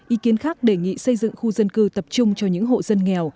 ý kiến khác đề nghị xây dựng khu dân cư tập trung cho những hộ dân nghèo